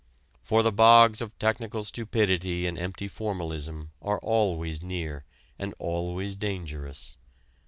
For the bogs of technical stupidity and empty formalism are always near and always dangerous.